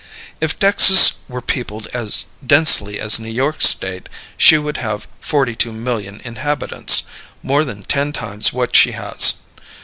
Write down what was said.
If Texas were peopled as densely as New York State, she would have forty two million inhabitants more than ten times what she has.